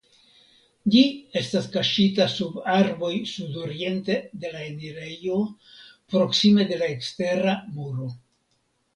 Ĝi estas kaŝita sub arboj sudoriente de la enirejo proksime de la ekstera muro.